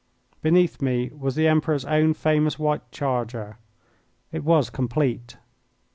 Beneath me was the Emperor's own famous white charger. It was complete.